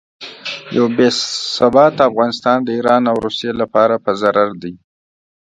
یو بې ثباته افغانستان د ایران او روسیې لپاره په ضرر دی.